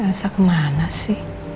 ya elsa kemana sih